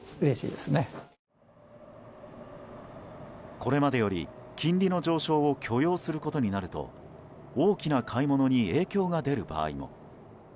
これまでより金利の上昇を許容することになると大きな買い物に影響が出る場合も。